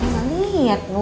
gak liat bu